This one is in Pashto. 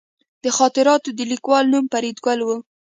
د خاطراتو د لیکوال نوم فریدګل و